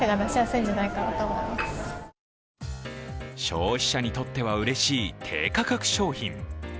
消費者にとってはうれしい低価格商品。